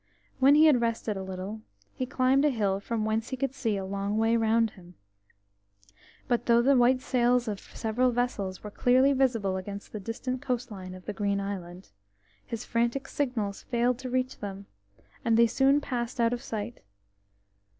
When he had rested a little, he climbed a hill from whence he could see a long way round him, but though the white sails of several vessels were clearly visible against the distant coastline of the Green Island, his frantic signals failed to reach them, and they soon passed out of sight.